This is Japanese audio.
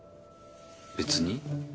別に。